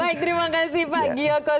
baik terima kasih pak giyoko suramat